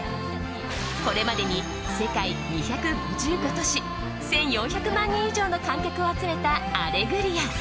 これまでに世界２５５都市１４００万人以上の観客を集めた「アレグリア」。